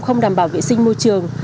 không đảm bảo vệ sinh môi trường